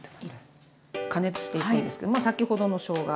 加熱していくんですけどまあ先ほどのしょうが。